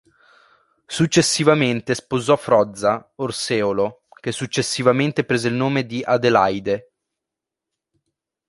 Successivamente sposò Frozza Orseolo, che successivamente prese il nome di Adelaide.